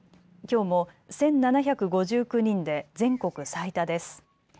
きょうも１７５９人で全国最多です。